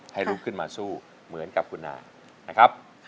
ลุกขึ้นมาสู้เหมือนกับคุณอานะครับ